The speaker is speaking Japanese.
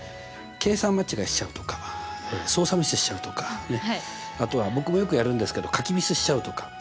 計算間違いしちゃうとか操作ミスしちゃうとかあとは僕もよくやるんですけど書きミスしちゃうとか。